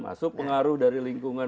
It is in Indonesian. masuk pengaruh dari lingkungan